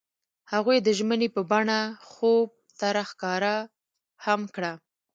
هغوی د ژمنې په بڼه خوب سره ښکاره هم کړه.